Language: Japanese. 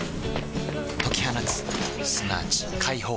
解き放つすなわち解放